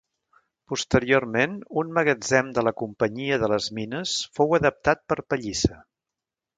Posteriorment un magatzem de la companyia de les mines fou adaptat per pallissa.